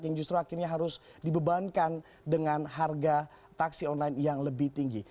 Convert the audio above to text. yang justru akhirnya harus dibebankan dengan harga taksi online yang lebih tinggi